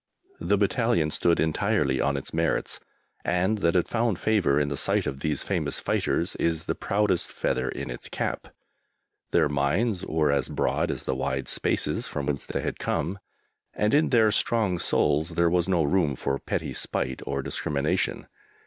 The battalion stood entirely on its merits, and that it found favour in the sight of these famous fighters is the proudest feather in its cap. Their minds were as broad as the wide spaces from whence they had come, and in their strong souls there was no room for petty spite or discrimination.